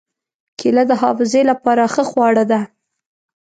کېله د حافظې له پاره ښه خواړه ده.